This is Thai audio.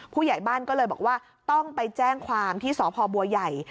ผู้ใหญ่บ้านก็เลยบอกว่าต้องไปแจ้งความที่สพบัวใหญ่